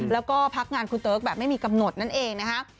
แล้วก็พักงานคุณเติ๊กแบบไม่มีกำหนดนั่นเองนะคะ